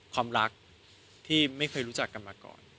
ความรักที่ไม่เคยรู้จักกันมาก่อน